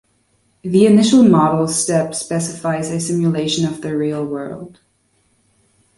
The initial model step specifies a simulation of the real world.